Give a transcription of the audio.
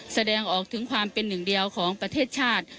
แสดงออกถึงความเป็นหนึ่งเดียวของประเทศชาติ